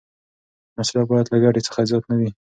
مصرف باید له ګټې څخه زیات نه وي.